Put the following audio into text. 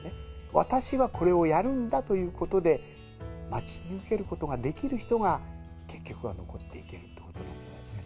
私はこれをやるんだということで、待ち続けることができる人が結局は残っていけるってことなんじゃないですかね。